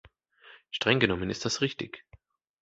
Strenggenommen ist das richtig.